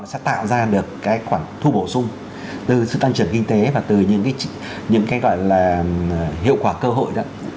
sẽ tạo ra được cái khoản thu bổ sung từ sự tăng trưởng kinh tế và từ những cái gọi là hiệu quả cơ hội đó